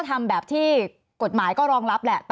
สวัสดีครับทุกคน